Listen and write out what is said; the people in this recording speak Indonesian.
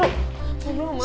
tunggu dulu mah